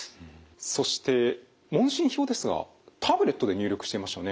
そして問診票ですがタブレットで入力していましたね。